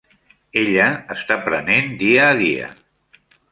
Ella està prenent dia a dia.